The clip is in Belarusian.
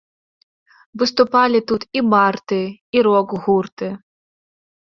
Выступалі тут і барды, і рок-гурты.